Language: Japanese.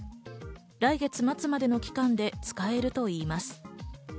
来月末までの期間で使えるといいます。